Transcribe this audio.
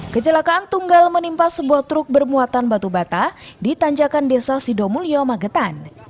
kecelakaan tunggal menimpa sebuah truk bermuatan batu bata di tanjakan desa sidomulyo magetan